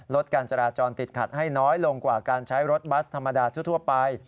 การจราจรติดขัดให้น้อยลงกว่าการใช้รถบัสธรรมดาทั่วไป